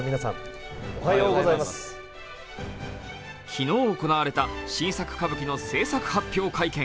昨日行われた新作歌舞伎の制作発表会見。